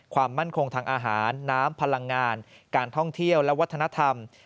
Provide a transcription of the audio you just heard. ความมั่นคงทางอาหารน้ำพลังงานการท่องเที่ยวและวัฒนธรรม